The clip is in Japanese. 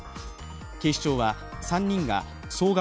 警視庁は３人が総額